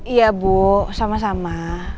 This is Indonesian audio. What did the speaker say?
iya bu sama sama